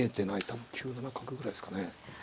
多分９七角ぐらいですかね。